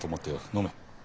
飲め。